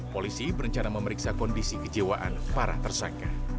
polisi berencana memeriksa kondisi kejiwaan para tersangka